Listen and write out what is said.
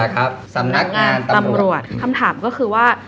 คำถามก็คือว่า